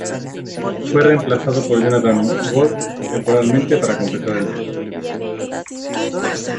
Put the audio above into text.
Fue reemplazado por Jonathan Wolfe temporalmente para completar el tour.